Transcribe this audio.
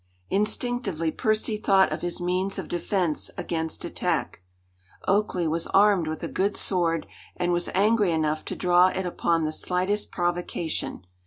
Instinctively Percy thought of his means of defense against attack. Oakleigh was armed with a good sword, and was angry enough to draw it upon the slightest provocation.